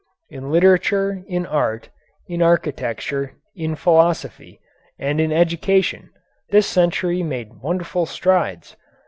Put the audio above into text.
In literature, in art, in architecture, in philosophy, and in education, this century made wonderful strides.